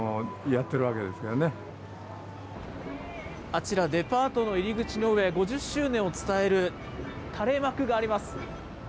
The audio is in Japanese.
あちら、デパートの入り口の上、５０周年を伝える垂れ幕があります。